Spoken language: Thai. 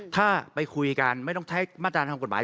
ถ้าไปคุยกันไม่ต้องใช้มาตราทางกฎหมาย